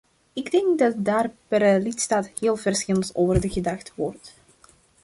Ik denk dat daar per lidstaat heel verschillend over gedacht wordt.